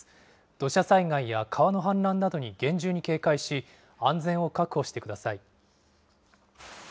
土砂災害や川の氾濫などに厳重に警戒し、安全を確保してください。